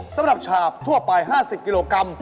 สำหรับชาบทั่วไป๕๐กิโลกรัม